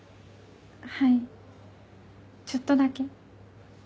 はいちょっとだけ。